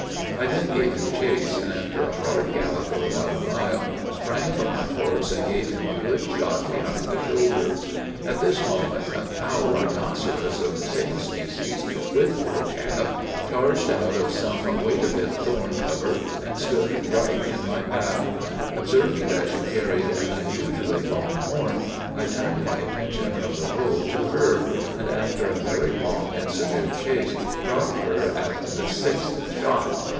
I then gave him chase, and, after a hard gallop of about a mile, sprang from my horse and gave him a good shot behind the shoulder. At this moment a cow rhinoceros of the same species, with her calf, charged out of some wait a bit thorn cover, and stood right in my path. Observing that she carried an unusually long horn, I turned my attention from the bull to her, and, after a very long and severe chase, dropped her at the sixth shot.